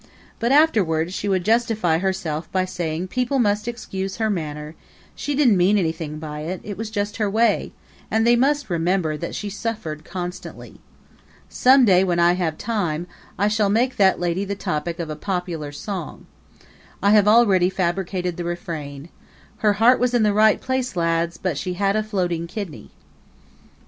But afterward she would justify herself by saying people must excuse her manner she didn't mean anything by it; it was just her way, and they must remember that she suffered constantly. Some day when I have time, I shall make that lady the topic of a popular song. I have already fabricated the refrain: Her heart was in the right place, lads, but she had a floating kidney!